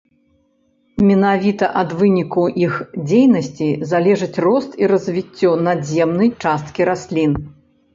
Менавіта ад вынікаў іх дзейнасці залежыць рост і развіццё надземнай часткі раслін.